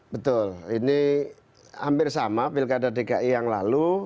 betul ini hampir sama pilkada dki yang lalu